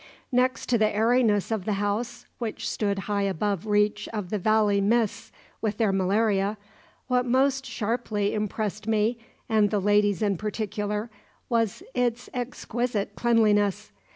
Next to the airiness of the house, which stood high above reach of the valley mists with their malaria, what most sharply impressed me, and the ladies in particular, was its exquisite cleanliness.